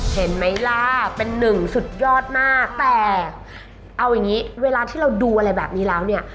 เห็นไหมล่ะเป็นหนึ่งสุดยอดมากแต่เอาอย่างนี้เวลาที่เราดูอะไรแบบนี้แล้วเนี่ย